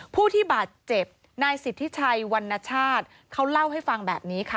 ผู้ที่บาดเจ็บนายสิทธิชัยวรรณชาติเขาเล่าให้ฟังแบบนี้ค่ะ